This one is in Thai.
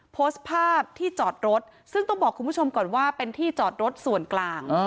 โพสต์ภาพที่จอดรถซึ่งต้องบอกคุณผู้ชมก่อนว่าเป็นที่จอดรถส่วนกลาง